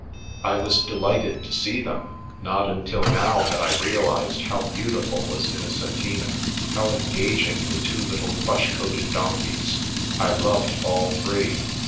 I was delighted to see them. Not until now had I realised how beautiful was Innocentina, how en gaging the two little plush coated donkeys. I loved all three.